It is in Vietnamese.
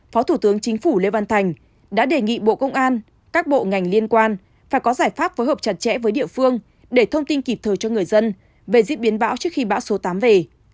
phó thủ tướng chính phủ lê văn thành đã đề nghị bộ công an các bộ ngành liên quan phải có giải pháp phối hợp chặt chẽ với địa phương để thông tin kịp thời cho người dân về diễn biến bão trước khi bão số tám về